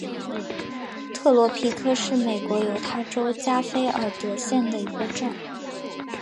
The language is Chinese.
特罗皮克是美国犹他州加菲尔德县的一个镇。